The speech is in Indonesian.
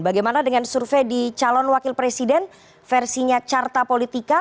bagaimana dengan survei di calon wakil presiden versinya carta politika